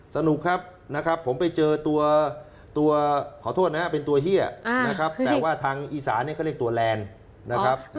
สนุกครับนะครับผมไปเจอตัวขอโทษนะครับเป็นตัวเฮียนะครับแต่ว่าทางอีสานเนี่ยก็เรียกตัวแลนด์นะครับ